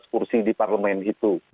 tiga belas kursi di parlemen itu